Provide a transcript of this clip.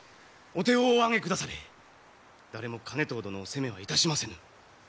お手をお上げくだされ誰も兼遠殿を責めはいたしませぬ。